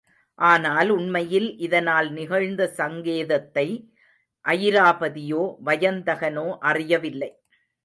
ஆனால் உண்மையில் இதனால் நிகழ்ந்த சங்கேதத்தை அயிராபதியோ, வயந்தகனோ அறியவில்லை.